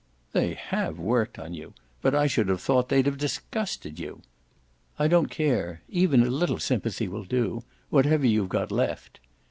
"They HAVE worked on you; but I should have thought they'd have disgusted you. I don't care even a little sympathy will do: whatever you've got left."